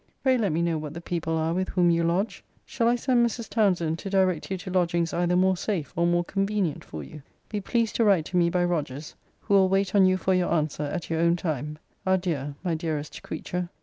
Pray let me know what the people are with whom you lodge? Shall I send Mrs. Townsend to direct you to lodgings either more safe or more convenient for you? Be pleased to write to me by Rogers; who will wait on you for your answer, at your own time. Adieu, my dearest creature.